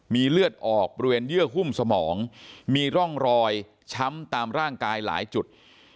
มีเลือดออกบริเวณเยื่อหุ้มสมองมีร่องรอยช้ำตามร่างกายหลายจุด